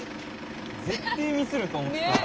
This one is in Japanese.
絶対ミスると思ってたわ。